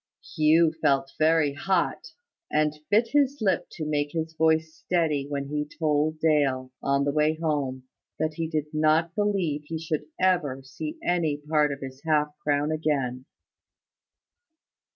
Hugh felt very hot, and bit his lip to make his voice steady when he told Dale, on the way home, that he did not believe he should ever see any part of his half crown again.